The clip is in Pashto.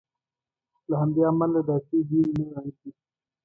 له همدې امله دا دوې بېلې نوعې دي.